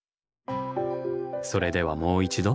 それではもう一度。